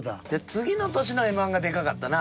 次の年のＭ−１がでかかったな。